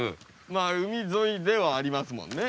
まあ海沿いではありますもんね。